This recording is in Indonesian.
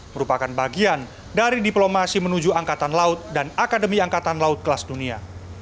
merupakan bagian dari diplomasi menuju angkatan laut dan akademi angkatan laut kelas dunia